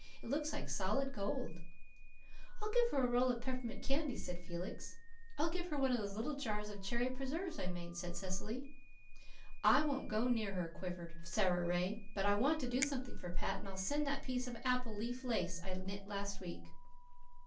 It looks like solid gold." "I'll give her a roll of peppermint candy," said Felix. "I'll give one of those little jars of cherry preserve I made," said Cecily. "I won't go near her," quavered Sara Ray, "but I want to do something for Pat, and I'll send that piece of apple leaf lace I knit last week."